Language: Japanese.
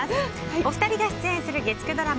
お二人が出演する月９ドラマ